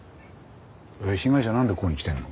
えっ被害者なんでここに来てんの？